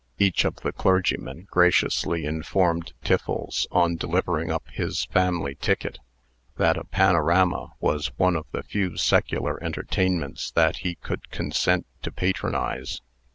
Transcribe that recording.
Each of the clergymen graciously informed Tiffles, on delivering up his family ticket, that a panorama was one of the few secular entertainments that he could consent to patronize.